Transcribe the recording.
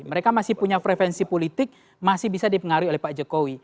mereka masih punya frevensi politik masih bisa dipengaruhi oleh pak jokowi